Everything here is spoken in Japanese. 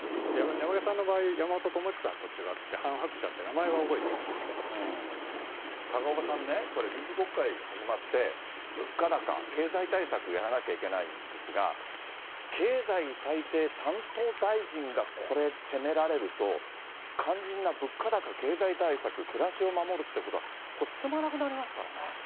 山際さんの場合、やまもとともゆきさんと違って、ハン・ハクチャって名前は覚えて高岡さんね、これ、臨時国会始まって、物価高、経済対策やらなきゃいけないんですが、経済再生担当大臣がこれ、せめられると、肝心な物価高、経済対策、暮らしを守るってことがこれ、進まなくなりますからね。